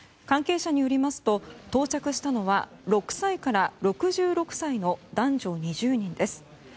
関係者によりますと到着したのは６歳から６６歳の男女２０人です。